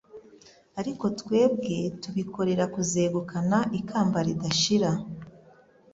ariko twebwe tubikorera kuzegukana ikamba ridashira.